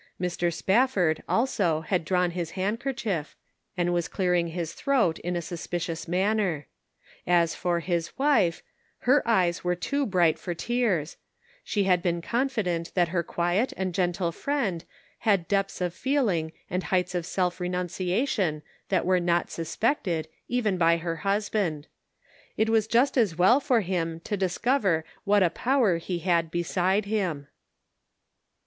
Mr. Spafford, also, had drawn his handkerchief, and was clearing his throat in a suspicious manner. As for his wife, her eyes were too bright for tears; she had been confident that her quiet and gentle friend had depths of feeling and heights of self renunciation that were not suspected, even by her husband; it was just as well for him to discover what a power he had beside him.